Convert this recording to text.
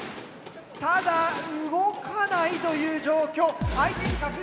ただ動かないという状況。